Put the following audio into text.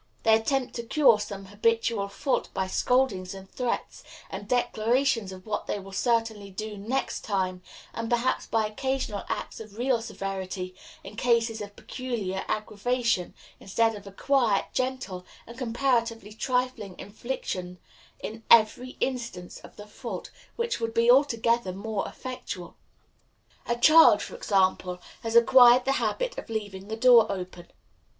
They attempt to cure some habitual fault by scoldings and threats, and declarations of what they will certainly do "next time," and perhaps by occasional acts of real severity in cases of peculiar aggravation, instead of a quiet, gentle, and comparatively trifling infliction in every instance of the fault, which would be altogether more effectual. A child, for example, has acquired the habit of leaving the door open.